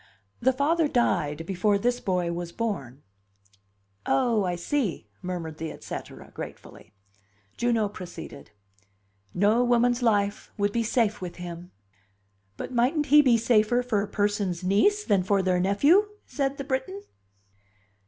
"The father died before this boy was born." "Oh, I see!" murmured the et cetera, gratefully. Juno proceeded. "No woman's life would be safe with him." "But mightn't he be safer for a person's niece than for their nephew?" said the Briton.